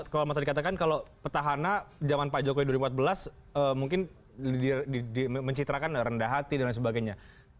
kalau mas adi katakan kalau petahana zaman pak jokowi dua ribu empat belas mungkin mencitrakan rendah hati dan lain sebagainya